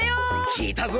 きいたぞ。